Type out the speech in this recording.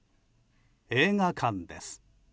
映画館です。